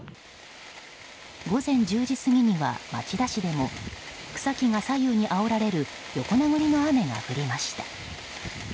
午前１０時過ぎには町田市でも草木が左右にあおられる横殴りの雨が降りました。